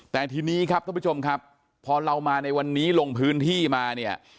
แต่ทีนี้ครับท่านผู้ชมครับพอเรามาในวันนี้ลงพื้นที่มาเนี่ย